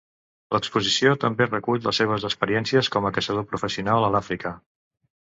L'exposició també recull les seves experiències com a caçador professional a l'Àfrica.